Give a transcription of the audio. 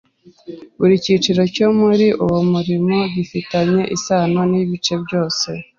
Buri cyiciro cyo muri uwo murimo gifitanye isano n’ibice byose